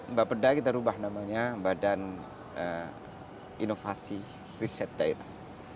mbak pedah kita ubah namanya badan inovasi riset jairah